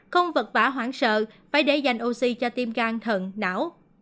không vật vả hoảng sợ phải để dành oxy cho tim gan thận não